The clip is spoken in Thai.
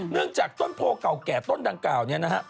เนื่องจากต้นโพเก่าต้นดังกล่าวนี้นะครับ